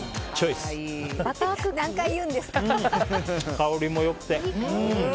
香りもよくて。